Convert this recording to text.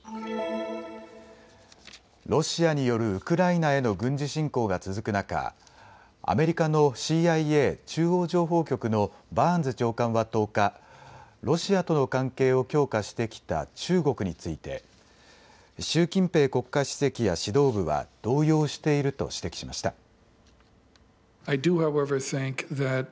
ロシアによるウクライナへの軍事侵攻が続く中アメリカのＣＩＡ・中央情報局のバーンズ長官は１０日、ロシアとの関係を強化してきた中国について習近平国家主席や指導部は動揺していると指摘しました。